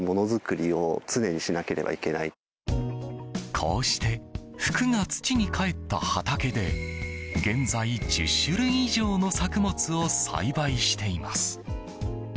こうして服が土にかえった畑で現在、１０種類以上の作物を栽培しています。